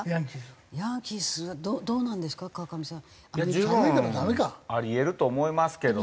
十分あり得ると思いますけどね。